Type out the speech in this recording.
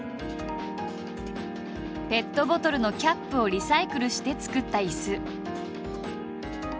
ペットボトルのキャップをリサイクルして作った椅子。